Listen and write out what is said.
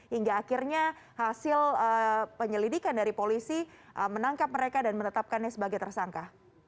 hingga akhirnya hasil penyelidikan dari polisi menangkap mereka dan menetapkannya sebagai tersangka